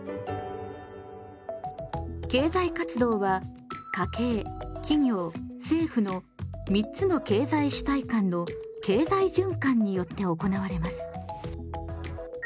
経済活動は家計・企業・政府の３つの経済主体間の経済循環によって行われます。